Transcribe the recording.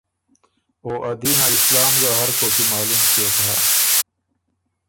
او ا دین ا اسلام ګه هر کوک کی معلوم ݭیوک هۀ۔